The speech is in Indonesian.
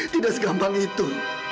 tidak segampang itu